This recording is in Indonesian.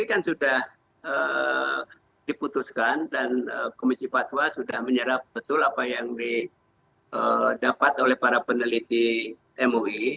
ini kan sudah diputuskan dan komisi fatwa sudah menyerap betul apa yang didapat oleh para peneliti mui